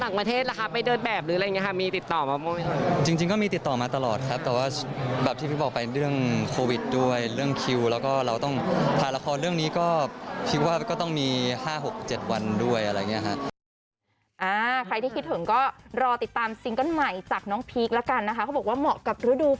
ก็ต้องมี๕๖๗วันด้วยอะไรอย่างนี้ค่ะ